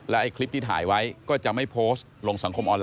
ไอ้คลิปที่ถ่ายไว้ก็จะไม่โพสต์ลงสังคมออนไ